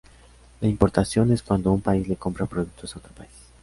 La importación es cuando un país le compra productos a otro país.